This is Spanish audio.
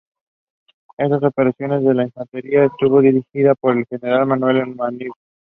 En estas operaciones la infantería estuvo dirigida por el general Manuel Manrique.